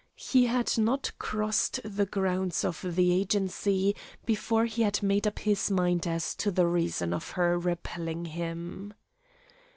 He had not crossed the grounds of the agency before he had made up his mind as to the reason for her repelling him.